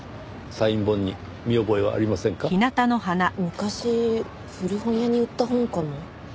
昔古本屋に売った本かも。